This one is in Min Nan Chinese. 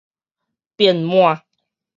變滿